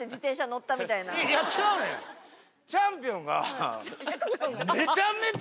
チャンピオンが。